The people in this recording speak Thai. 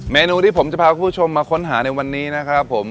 เมนูที่ผมจะพาคุณผู้ชมมาค้นหาในวันนี้นะครับผม